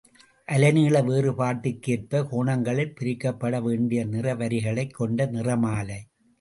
அலைநீள வேறுபாட்டிற்கேற்பக் கோணங்களில் பிரிக்கப்பட வேண்டிய நிறவரிகளைக் கொண்ட நிறமாலை.